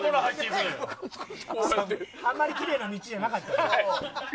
あんまり奇麗な道じゃなかった。